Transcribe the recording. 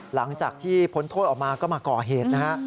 หลังจากที่พ้นโทษออกมาก็มาก่อเหตุนะฮะ